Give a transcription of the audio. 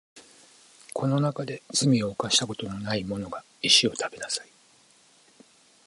この中で罪を犯したことのないものが石を食べなさい